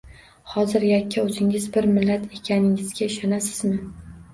Hozir yakka o‘zingiz bir millat ekaningizga ishonasizmi?